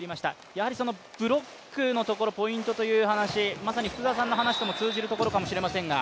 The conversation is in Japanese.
やはりブロックのところポイントという話、まさに福澤さんの話とも通じる話かも知れませんが。